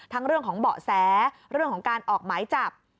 เรื่องของเบาะแสเรื่องของการออกหมายจับ